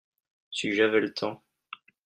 si j'avais le temps.